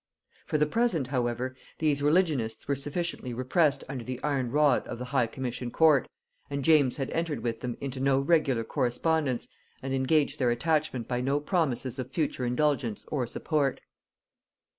For the present, however, these religionists were sufficiently repressed under the iron rod of the High commission court, and James had entered with them into no regular correspondence, and engaged their attachment by no promises of future indulgence or support.